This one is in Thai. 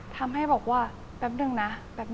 ทำให้บอกว่าแป๊บนึงนะ